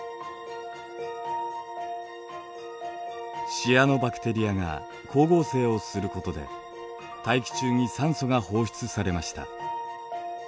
シアノバクテリアが光合成をすることで大気中に酸素が放出されました。